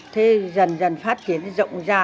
thế dần dần phát triển rộng ra